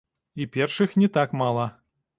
І першых не так мала.